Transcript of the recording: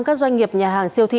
các doanh nghiệp nhà hàng siêu thị